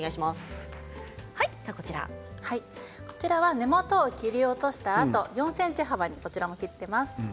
こちらは根元を切り落としたあと４ｃｍ幅にこちらも切っています。